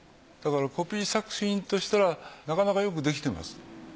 だからコピー作品としたらなかなかよく出来てます。